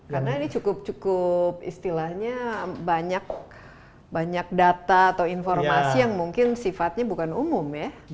karena ini cukup cukup istilahnya banyak data atau informasi yang mungkin sifatnya bukan umum ya